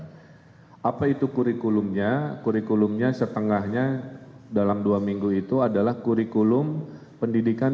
hai apa itu kurikulumnya kurikulumnya setengahnya dalam dua minggu itu adalah kurikulum pendidikan